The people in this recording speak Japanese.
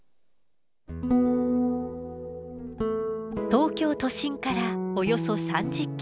東京都心からおよそ３０キロ。